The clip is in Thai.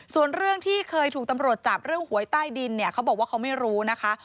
ส่วนเรื่องที่เคยถูกตำรวจจับเรื่องหวยใต้ดินเนี่ยเขาบอกว่าเขาไม่รู้นะคะ